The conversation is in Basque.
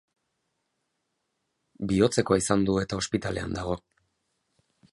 Bihotzekoa izan du eta ospitalean dago.